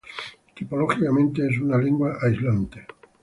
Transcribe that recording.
Tipológicamente es una lengua aislante.